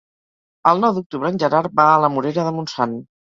El nou d'octubre en Gerard va a la Morera de Montsant.